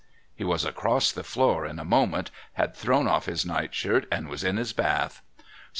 He was across the floor in a moment, had thrown off his nightshirt and was in his bath.